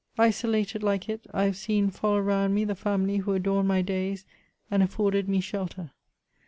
Isolated like it, I have seen fall around me the family who adorned my days and afforded me shelter.